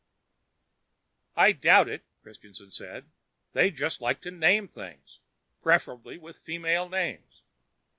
"I doubt it," Christianson said. "They just like to name things preferably with female names.